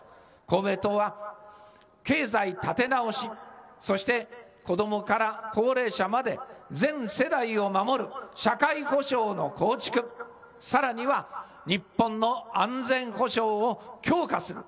公明党は、経済立て直し、そして子どもから高齢者まで全世代を守る社会保障の構築、さらには日本の安全保障を強化する。